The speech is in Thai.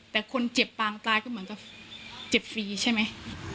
แต่คนเจ็บปางตายก็เหมือนกับเจ็บฟรีใช่ไหม